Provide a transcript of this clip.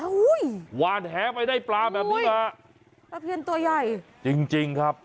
หวานแหงไปได้ปลาแบบนี้มาปลาเพียรตัวใหญ่จริงครับ